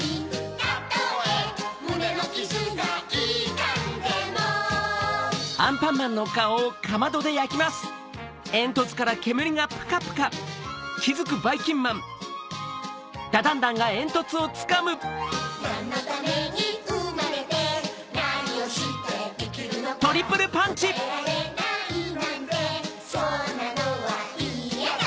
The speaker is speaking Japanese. たとえむねのきずがいたんでもなんのためにうまれてなにをしていきるのかこたえられないなんてそんなのはいやだ！